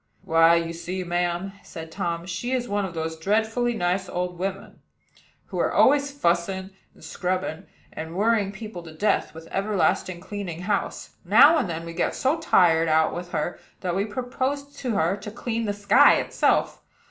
"Why, you see, ma'am," said Tom, "she is one of those dreadfully nice old women, who are always fussing and scrubbing, and worrying people to death, with everlastingly cleaning house. Now and then we get so tired out with her that we propose to her to clean the sky itself.